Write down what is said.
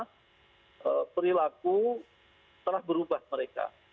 yang paling menonjol adalah perilaku telah berubah mereka